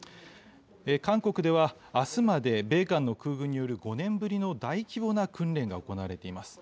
韓国では、あすまで米韓の空軍による５年ぶりの大規模な訓練が行われています。